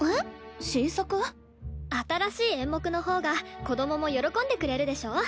新しい演目の方が子供も喜んでくれるでしょ。